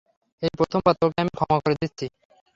এই প্রথমবার তোকে আমি ক্ষমা করে দিচ্ছি।